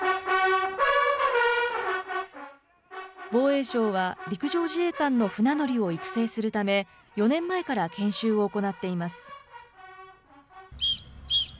防衛省は陸上自衛官の船乗りを育成するため、４年前から研修を行っています。